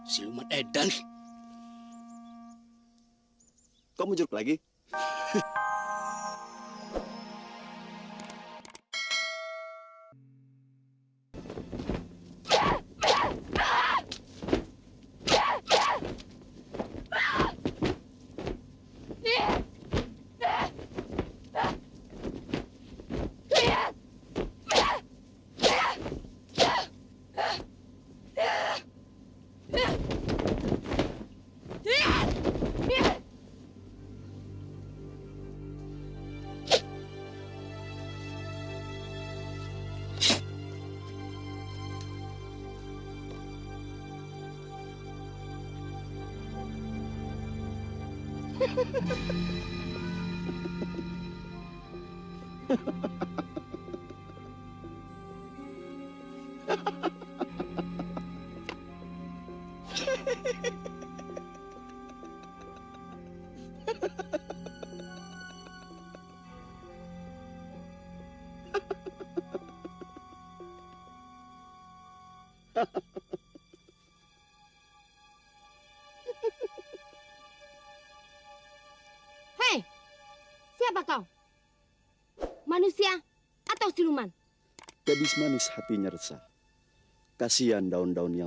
sampai jumpa di video selanjutnya